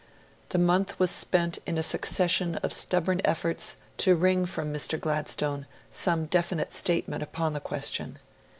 The month was spent in a succession of stubborn efforts to wring from Mr. Gladstone some definite statement upon the question.